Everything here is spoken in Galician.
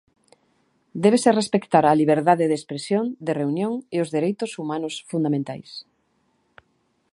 Débese respectar a liberdade de expresión, de reunión e os Dereitos Humanos fundamentais.